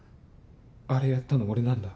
あれやったの俺なんだ。